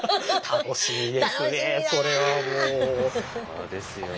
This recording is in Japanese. お忙しいですね。